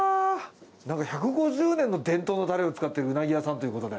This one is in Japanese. なんか１５０年の伝統のタレを使ってるうなぎ屋さんということで。